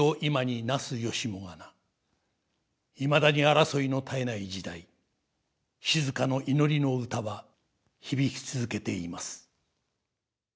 いまだに争いの絶えない時代静の祈りの歌は響き続けています。